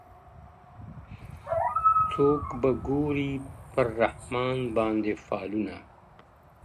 څوك به ګوري پر رحمان باندي فالونه-